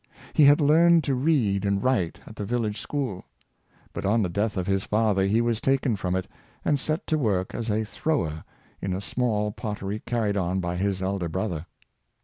He had learned to read and write at the vil lage school; but on the death of his father he was taken from it and set to work as a '' thrower " in a small pot tery carried on by his elder brother.